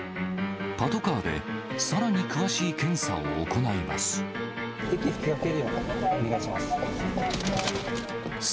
パトカーでさらに詳しい検査を行います。